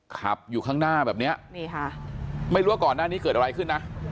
ขับอยู่ข้างหน้าแบบนี้นี่ค่ะไม่รู้ว่าก่อนหน้านี้เกิดอะไรขึ้นนะ